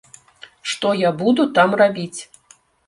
Што я буду там рабіць?